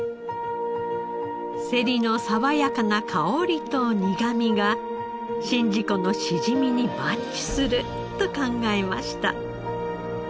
セリのさわやかな香りと苦みが宍道湖のしじみにマッチすると考えました。